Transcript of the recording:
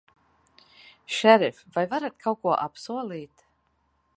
Šerif, vai varat kaut ko apsolīt?